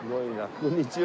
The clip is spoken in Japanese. こんにちは。